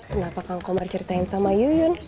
kenapa kang komar ceritain sama yuyun